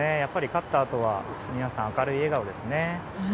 勝ったあとは皆さん明るい笑顔ですね。